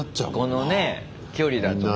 このね距離だとね。